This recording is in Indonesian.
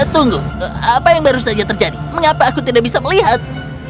tunggu apa yang baru saja terjadi mengapa aku tidak bisa melihat